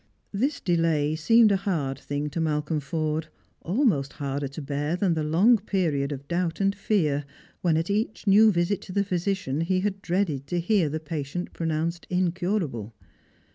Tliis delay seemed a hard thing to Malcolm Forde, almost harder to bear than the long period of doubt and fear, when at each new visit to the physician he had dreaded to hear the ])atient pronounced incurable.